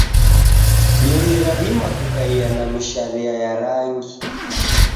Nyonyi radima kukaia na misharia ya rangi.